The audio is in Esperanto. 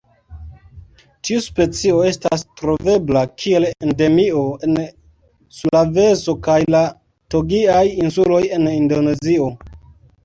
Tiu specio estas trovebla kiel endemio en Sulaveso kaj la Togiaj Insuloj en Indonezio.